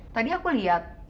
tadi aku lihat